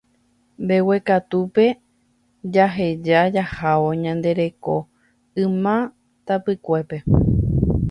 mbeguekatúpe jaheja jahávo ñande reko yma tapykuépe